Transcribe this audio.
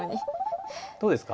どうですか？